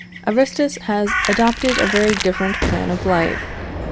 Aristus has adopted a very different plan of life.